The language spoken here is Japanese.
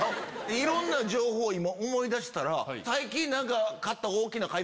いろんな情報思い出したら。